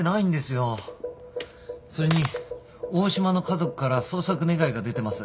それに大島の家族から捜索願が出てます。